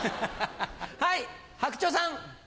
はい白鳥さん。